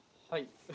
はい。